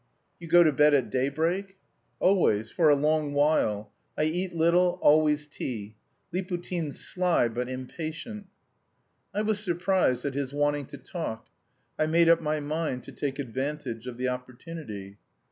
"You go to bed at daybreak?" "Always; for a long while. I eat little; always tea. Liputin's sly, but impatient." I was surprised at his wanting to talk; I made up my mind to take advantage of the opportunity.